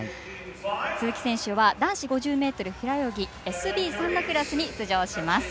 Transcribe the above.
鈴木選手は男子５０ｍ平泳ぎＳＢ３のクラスに出場します。